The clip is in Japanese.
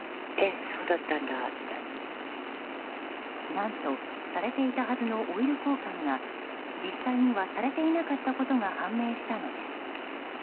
何と、されていたはずのオイル交換が実際にはされていなかったことが判明したのです。